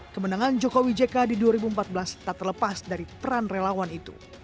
kemenangan jokowi jk di dua ribu empat belas tak terlepas dari peran relawan itu